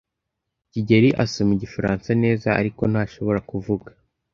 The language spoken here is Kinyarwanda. kigeli asoma Igifaransa neza, ariko ntashobora kuvuga.